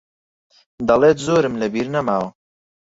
دەڵێت زۆرم لەبیر نەماوە.